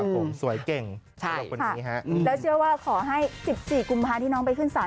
แล้ววันที่๑๔กุมภาคคดีนี้ก็จะขึ้นสารไปทั้งแรกเลยค่ะ